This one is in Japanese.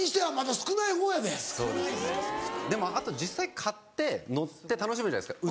でもあと実際買って乗って楽しむじゃないですか。